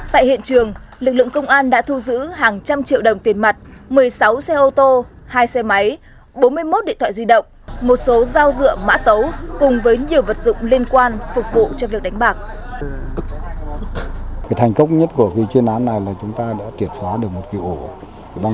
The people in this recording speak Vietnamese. tại hiện trường lực lượng công an đã thu giữ hàng trăm triệu đồng tiền mặt một mươi sáu xe ô tô hai xe máy bốn mươi một điện thoại di động một số dao dựa mã tấu cùng với nhiều vật dụng liên quan phục vụ cho việc đánh bạc